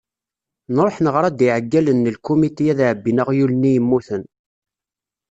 Nruḥ neɣra-d i iɛeggalen n lkumiti ad ɛebbin aɣyul-nni yemmuten.